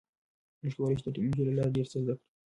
موږ کولی شو د ټکنالوژۍ له لارې ډیر څه زده کړو.